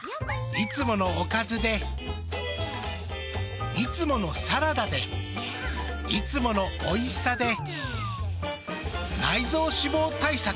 いつものおかずでいつものサラダでいつものおいしさで内臓脂肪対策。